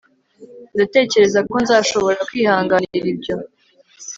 Ndatekereza ko nzashobora kwihanganira ibyo